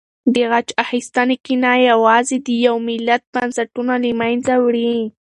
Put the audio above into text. د غچ اخیستنې کینه یوازې د یو ملت بنسټونه له منځه وړي.